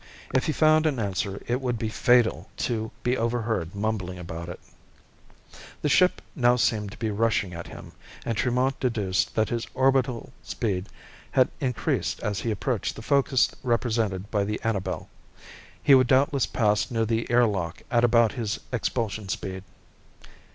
If he found an answer, it would be fatal to be overheard mumbling about it. The ship now seemed to be rushing at him, and Tremont deduced that his orbital speed had increased as he approached the focus represented by the Annabel. He would doubtless pass near the air lock at about his expulsion speed.